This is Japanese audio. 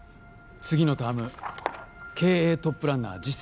次のターム経営トップランナー実践セミナー